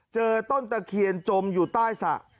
เจอต้นตะเคียนจมอยู่ใต้สระ